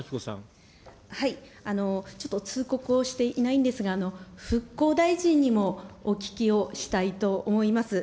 ちょっと通告をしていないんですが、復興大臣にもお聞きをしたいと思います。